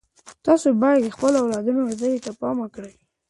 تاسو باید د خپلو اولادونو روزنې ته پام وکړئ.